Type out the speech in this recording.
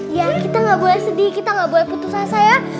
iya kita nggak boleh sedih kita nggak boleh putus asa ya